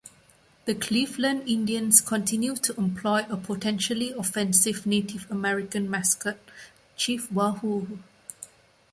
The Cleveland Indians continue to employ a potentially offensive Native American mascot, Chief Wahoo.